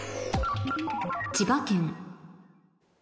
「千葉県」